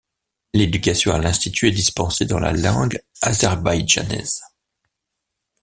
L’éducation à l’Institut est dispensée dans la langue azerbaïdjanaise.